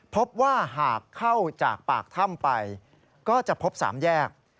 พบว่าหากเข้าจากปากถ้ำไปก็จะพบ๓แยก